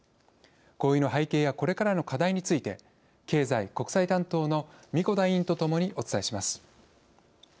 合意の背景やこれからの課題について経済・国際担当の神子田委員とともにお伝えします。